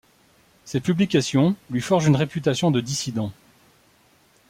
Ces publications lui forgent une réputation de dissident.